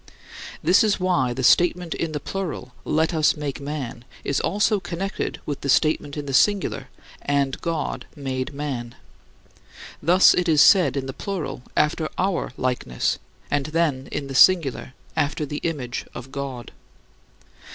This is why the statement in the plural, "Let us make man," is also connected with the statement in the singular, "And God made man." Thus it is said in the plural, "After our likeness," and then in the singular, "After the image of God."